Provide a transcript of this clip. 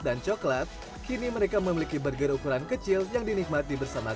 dan coklat kini mereka memiliki burger ukuran kecil yang dinikmati bersama